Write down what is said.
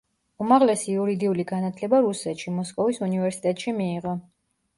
უმაღლესი იურიდიული განათლება რუსეთში, მოსკოვის უნივერსიტეტში მიიღო.